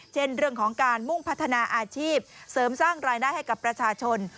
เช่นเรื่องของการมุ่งพัฒนาอาชีพเสริมสร้างรายได้ให้กับประชาชน